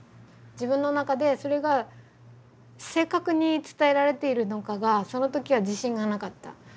自分の中でそれが正確に伝えられているのかがその時は自信がなかった。